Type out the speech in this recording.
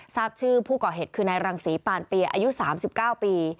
ทราบชื่อผู้ก่อเหตุคือนายรังศรีปานเปียอายุ๓๙ปี